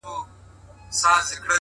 • لکه وروڼه په قسمت به شریکان یو,